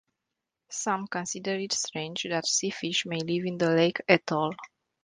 Some consider it strange that sea fish may live in the lake at all.